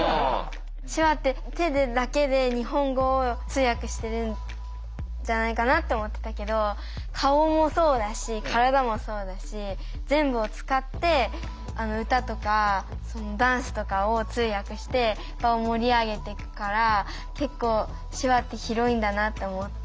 手話って手でだけで日本語を通訳してるんじゃないかなって思ってたけど顔もそうだし体もそうだし全部を使って歌とかダンスとかを通訳して場を盛り上げていくから結構手話って広いんだなって思って。